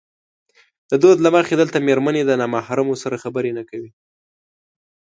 د دود له مخې دلته مېرمنې د نامحرمو سره خبرې نه کوي.